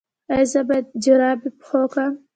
ایا زه باید جرابې په پښو کړم؟